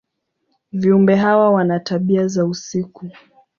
Viumbe hawa wana tabia za usiku.